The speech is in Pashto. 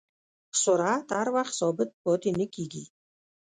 سرعت هر وخت ثابت پاتې نه کېږي.